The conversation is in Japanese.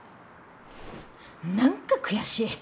何か悔しい。